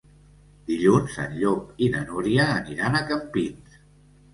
Dilluns en Llop i na Núria aniran a Campins.